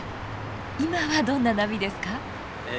今はどんな波ですか？